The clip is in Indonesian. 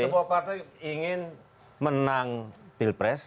semua partai ingin menang pilpres